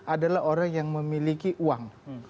adalah orang yang memiliki uang